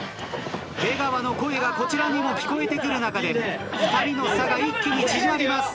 出川の声がこちらにも聞こえてくる中で２人の差が一気に縮まります。